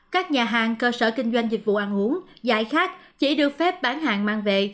các nhà hàng cơ sở kinh doanh dịch vụ ăn uống giải khác chỉ được phép bán hàng mang về